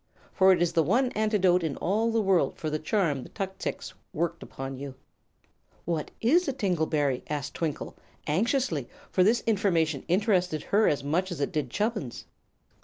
For it is the one antidote in all the world for the charm the tuxix worked upon you." "What is a tingle berry?" asked Twinkle, anxiously, for this information interested her as much as it did Chubbins.